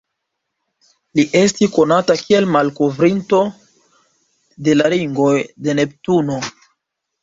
Li esti konata kiel malkovrinto de la ringoj de Neptuno.